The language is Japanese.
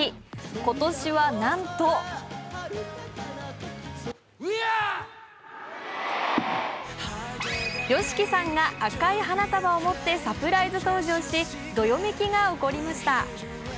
今年はなんと、ＹＯＳＨＩＫＩさんが赤い花束を持ってサプライズ登場し、どよめきが起こりました。